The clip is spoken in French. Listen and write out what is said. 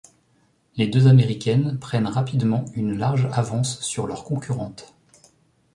Les deux Américaines prennent rapidement une large avance sur leur concurrente.